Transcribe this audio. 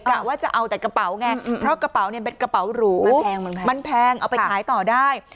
กะว่าจะเอาแต่กระเป๋าไงเพราะกระเป๋าเนี่ยเป็นกระเป๋าหรูมันแพงเอาไปขายต่อได้